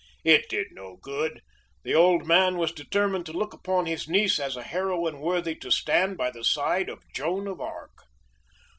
It did no good the old man was determined to look upon his niece as a heroine worthy to stand by the side of Joan of Arc.